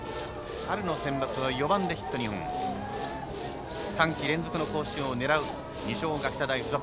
春のセンバツは４番でヒット２本３季連続の甲子園を狙う二松学舎大付属。